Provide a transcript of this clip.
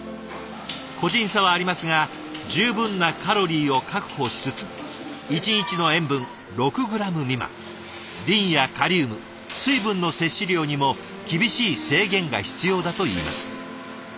個人差はありますが十分なカロリーを確保しつつ一日の塩分６グラム未満リンやカリウム水分の摂取量にも厳しい制限が必要だといいます。